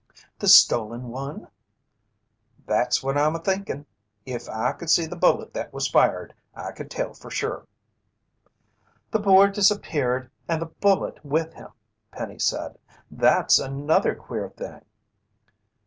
"The stolen one?" "That's what I'm a thinkin'. If I could see the bullet that was fired, I could tell fer sure." "The boar disappeared and the bullet with him," Penny said. "That's another queer thing."